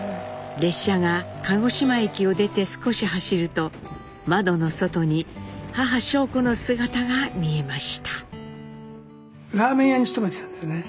列車が鹿児島駅を出て少し走ると窓の外に母尚子の姿が見えました。